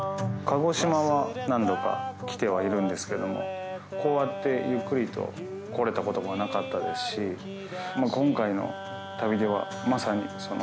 鹿児島は何度か来てはいるんですけどもこうやってゆっくりと来れたこともなかったですし今回の旅ではまさにその。